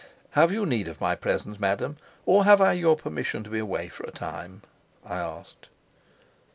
"Have you need of my presence, madam, or have I your permission to be away for a time?" I asked.